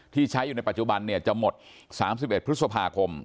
ที่ใช้อยู่ในปัจจุบันจะหมด๓๑พฤษภาคม